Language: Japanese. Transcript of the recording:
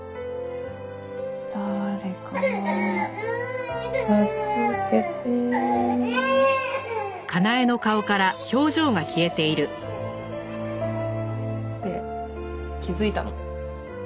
「誰か助けて」で気づいたの。